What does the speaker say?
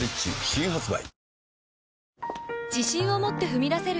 新発売